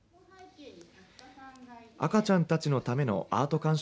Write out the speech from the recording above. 赤ちゃんたちのためのアート鑑賞